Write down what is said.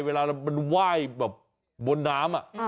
เวลามันว่ายบนน้ำ